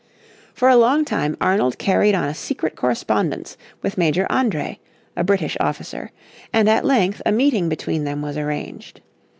For a long time Arnold carried on a secret correspondence with Major André, a British officer, and at length a meeting between them was arranged.